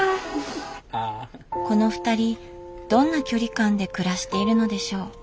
このふたりどんな距離感で暮らしているのでしょう？